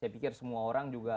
saya pikir semua orang juga